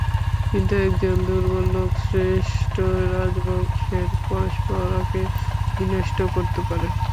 কিন্তু একজন দুর্বল লোক শ্রেষ্ট রাজবংশের পরম্পরাকে বিনষ্ট করতে পারে।